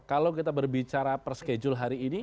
kalau kita berbicara per schedule hari ini